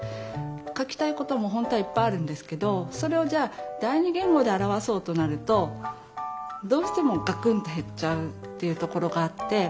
書きたい事も本当はいっぱいあるんですけどそれをじゃあ第二言語で表そうとなるとどうしてもガクンって減っちゃうっていうところがあって。